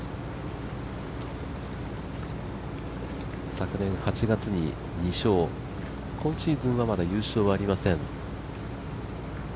昨年８月に２勝、今シーズンはまだ優勝はありません。